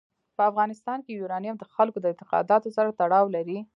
په افغانستان کې یورانیم د خلکو د اعتقاداتو سره تړاو لري.